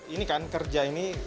ini kan kerja ini